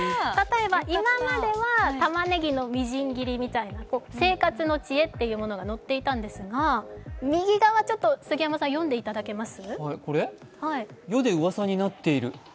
例えば、今まではたまねぎのみじん切りのような、生活の知恵が載っていたんですけど、右側、杉山さん読んでいただけます？